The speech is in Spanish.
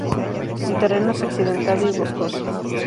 El terreno es accidentado y boscoso.